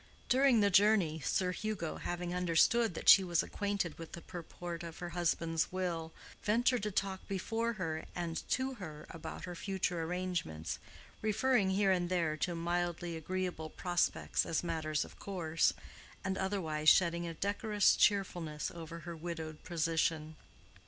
During the journey, Sir Hugo, having understood that she was acquainted with the purport of her husband's will, ventured to talk before her and to her about her future arrangements, referring here and there to mildly agreeable prospects as matters of course, and otherwise shedding a decorous cheerfulness over her widowed position.